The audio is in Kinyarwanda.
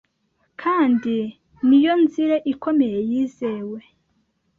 kendi n’iyo nzire ikomeye yizewe